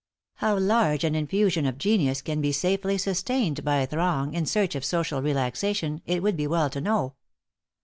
How large an infusion of genius can be safely sustained by a throng in search of social relaxation it would be well to know.